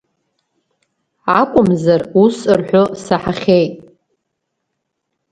Акәымзар, ус рҳәо саҳахьеит…